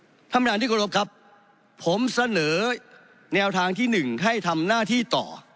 ท่านประธานที่กรบครับผมเสนอแนวทางที่๑ให้ทำหน้าที่ต่อ